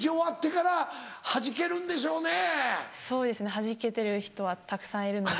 はじけてる人はたくさんいるので。